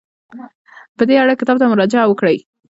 په دې اړه کتاب ته مراجعه وکړئ.